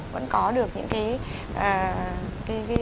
vẫn có được những cái